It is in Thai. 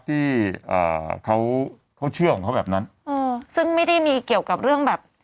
อ่าเขาเขาเชื่อของเขาแบบนั้นเออซึ่งไม่ได้มีเกี่ยวกับเรื่องแบบ